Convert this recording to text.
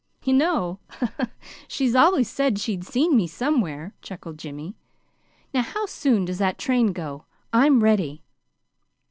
"You know she's always said she'd seen me somewhere," chuckled Jimmy. "Now how soon does that train go? I'm ready."